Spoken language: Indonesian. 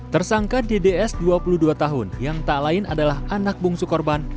tersangka dds dua puluh dua tahun yang tak lain adalah anak bungsu korban